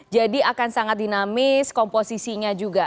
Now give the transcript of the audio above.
jadi akan sangat dinamis komposisinya juga